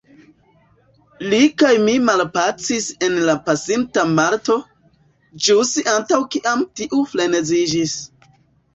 Li kaj mi malpacis en la pasinta Marto, ĵus antaŭ kiam tiu freneziĝis.